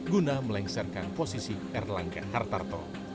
guna melengsarkan posisi erlangga hartarto